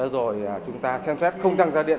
rồi chúng ta xem xét không tăng giá tiền